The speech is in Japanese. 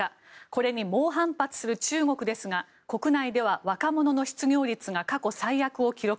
これに猛反発する中国ですが国内では若者の失業率が過去最悪を記録。